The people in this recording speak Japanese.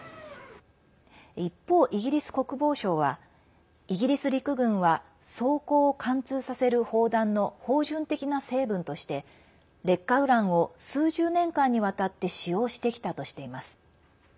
一方、イギリス国防省はイギリス陸軍は装甲を貫通させる砲弾の標準的な成分として劣化ウランを数十年間にわたって使用してきたとしています。